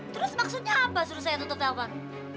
terus maksudnya apa suruh saya tutup kapan